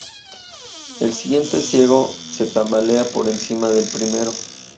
El siguiente ciego se tambalea por encima del primero.